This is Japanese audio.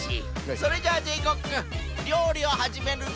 それじゃあジェイコックくんりょうりをはじめるぞ。